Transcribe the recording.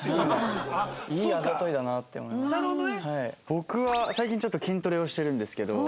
僕は最近ちょっと筋トレをしてるんですけど。